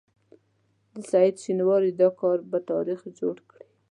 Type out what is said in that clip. د سعید شینواري دا کار به تاریخ جوړ کړي.